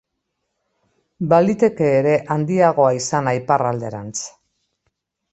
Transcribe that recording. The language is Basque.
Baliteke ere handiagoa izana iparralderantz.